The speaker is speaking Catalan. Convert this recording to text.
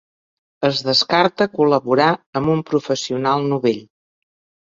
Es descarta col·laborar amb un professional novell.